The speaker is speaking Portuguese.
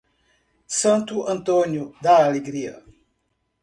Santo Antônio da Alegria